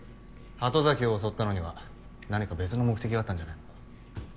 鳩崎を襲ったのには何か別の目的があったんじゃないのか？